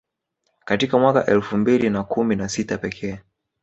Katika mwaka elfu mbili na kumi na sita pekee